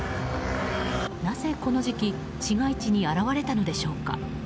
なぜこの時期市街地に現れたのでしょうか。